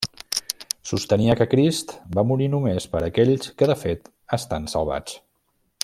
Sostenia que Crist va morir només per aquells que, de fet, estan salvats.